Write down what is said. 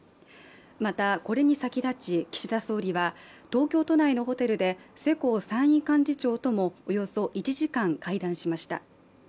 また、これに先立ち岸田総理は東京都内のホテルで世耕参院幹事長ともおよそ１時間会談しました。